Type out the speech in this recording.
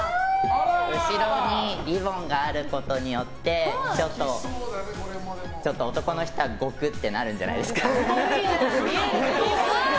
後ろにリボンがあることによってちょっと男の人はごくってなるんじゃないですか。